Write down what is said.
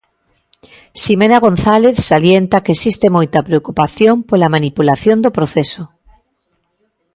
Ximena González salienta que existe moita preocupación pola manipulación do proceso.